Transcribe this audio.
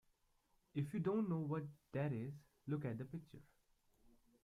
If you don’t know what that is, look at the picture.